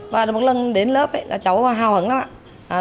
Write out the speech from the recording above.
và một lần đến lớp là cháu hào hứng lắm ạ